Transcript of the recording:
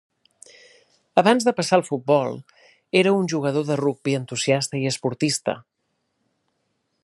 Abans de passar al futbol, era un jugador de rugbi entusiasta i esportista.